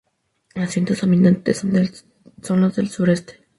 Los vientos dominantes son los del sur este.